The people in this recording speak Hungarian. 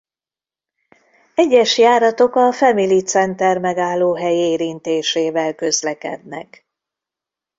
Egyes járatok a Family Center megállóhely érintésével közlekednek.